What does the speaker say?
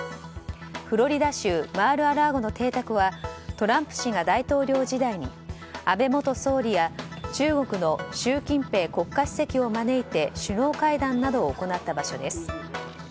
フロリダ州マールアラーゴの邸宅はトランプ氏が大統領時代に安倍元総理や中国の習近平国家主席を招いて首脳会談などを行った場所です。